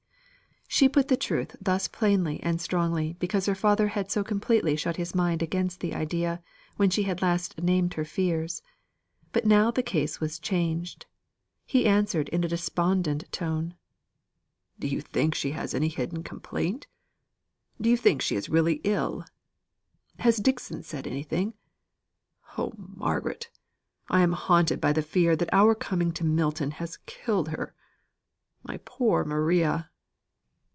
She put the truth thus plainly and strongly because her father had so completely shut his mind against the idea, when she had last named her fears. But now the case was changed. He answered in a despondent tone: "Do you think she has any hidden complaint? Do you think she is really very ill? Has Dixon said anything? Oh, Margaret! I am haunted by the fear that our coming to Milton has killed her. My poor Maria!"